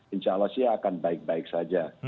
insya allah sih akan baik baik saja